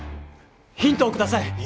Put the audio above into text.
ヒントをください！